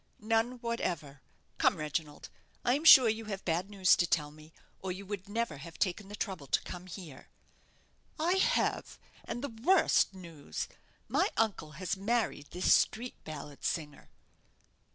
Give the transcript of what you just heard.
"None whatever. Come, Reginald, I am sure you have bad news to tell me, or you would never have taken the trouble to come here." "I have, and the worst news. My uncle has married this street ballad singer."